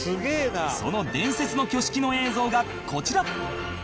その伝説の挙式の映像がこちら